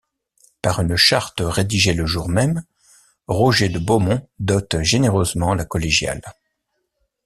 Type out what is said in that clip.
Par une charte rédigée le jour même, Roger de Beaumont dote généreusement la collégiale.